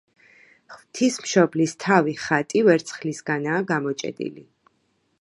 ღვთისმშობლის თავი ხატი ვერცხლისგანაა გამოჭედილი.